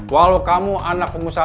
kalau kamu anak pengusaha